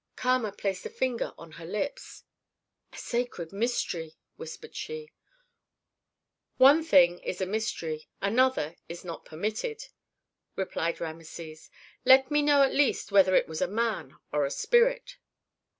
Kama placed a finger on her lips. "A sacred mystery," whispered she. "One thing is a mystery, another is not permitted," replied Rameses. "Let me know at least whether it was a man or a spirit?"